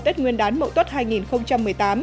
tết nguyên đán mậu tuất hai nghìn một mươi tám